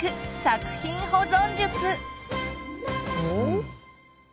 お？